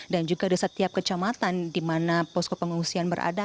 dan juga di setiap kecamatan di mana poskop pengungsian berada